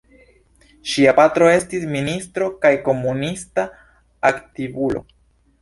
Ŝia patro estis ministo kaj komunista aktivulo.